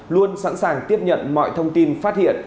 luôn sẵn sàng tiếp nhận mọi thông tin phát hiện